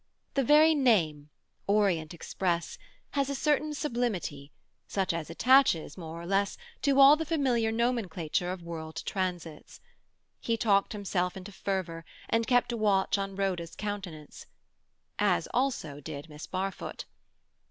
The very name, Orient Express, has a certain sublimity, such as attaches, more or less, to all the familiar nomenclature of world transits. He talked himself into fervour, and kept a watch on Rhoda's countenance. As also did Miss Barfoot.